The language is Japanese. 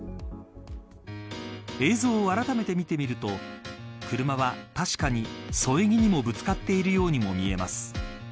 映像をあらためて見てみると車は確かに添え木にもぶつかっているようにも見えます。